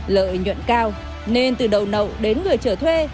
lợi nhuận cao nên từ đầu nậu đến người trở thuê